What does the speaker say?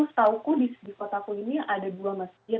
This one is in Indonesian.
setahuku di kotaku ini ada dua masjid